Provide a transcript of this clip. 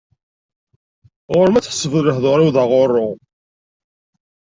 Ɣur-m ad tḥesbeḍ lehdur-iw d aɣurru.